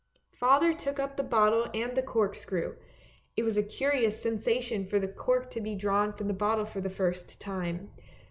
Father took up the bottle and the cork screw — it was a curious sensation for the cork to be drawn from the bottle for the first time.